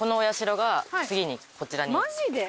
マジで？